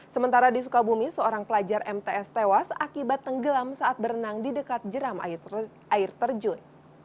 sementara di sukabumi seorang pelajar mts tewas akibat tenggelam saat berenang di dekat jeram air terjun